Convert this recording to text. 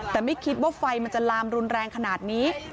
แต่ไม่คิดว่าไฟมันจะลามรุนแรงขนาดนี้